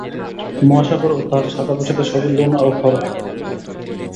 মহাসাগর ও তার শাখা-প্রশাখা সবই লোনা ও খর।